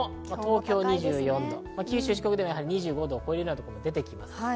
東京２４度、九州、四国では２５度を超えるところも出てきます。